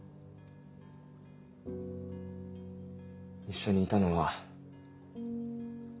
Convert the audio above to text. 一緒にいたのは。